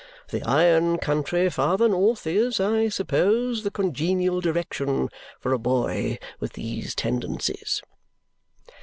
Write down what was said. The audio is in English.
The iron country farther north is, I suppose, the congenial direction for a boy with these tendencies."